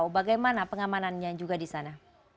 bagaimana pengamanannya juga di sana